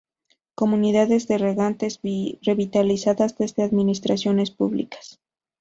comunidades de regantes revitalizadas desde administraciones públicas